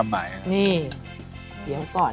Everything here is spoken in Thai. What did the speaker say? มันใส่จริงเลย